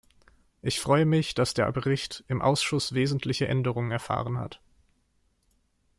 Ich freue mich, dass der Bericht im Ausschuss wesentliche Änderungen erfahren hat.